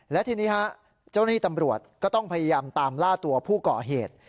และทีนี้ฮะเจ้าหน้าที่ตำรวจก็ต้องพยายามตามล่าตัวผู้ก่อเหตุ